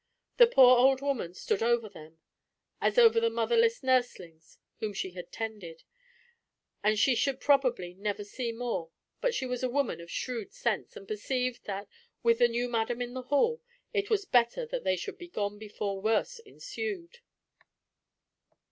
The poor old woman stood over them, as over the motherless nurslings whom she had tended, and she should probably never see more, but she was a woman of shrewd sense, and perceived that "with the new madam in the hall" it was better that they should be gone before worse ensued.